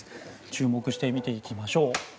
注目して見ていきましょう。